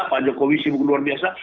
pak jokowi sibuk luar biasa